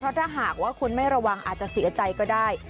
ถ้าหากว่าคุณไม่ระวังอาจจะเสียใจก็ได้